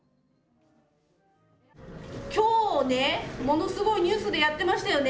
きょうね、ものすごいニュースでやってましたよね。